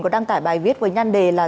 có đăng tải bài viết với nhan đề là